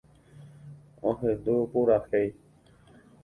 Ohendu purahéi.